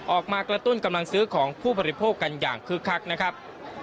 กระตุ้นกำลังซื้อของผู้บริโภคกันอย่างคึกคักนะครับ